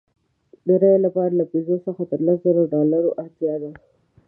د رایې لپاره له پنځو څخه تر لسو زرو ډالرو اړتیا ده.